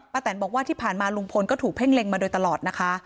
แตนบอกว่าที่ผ่านมาลุงพลก็ถูกเพ่งเล็งมาโดยตลอดนะคะ